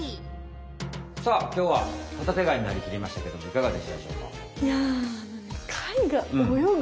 さあきょうはホタテガイになりきりましたけどもいかがでしたでしょうか？